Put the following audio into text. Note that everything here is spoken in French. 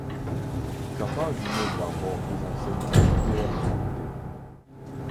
Certains immeubles arborent des enseignes en pierre sculptée.